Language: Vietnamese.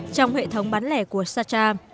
trong hệ thống bán lẻ của sacha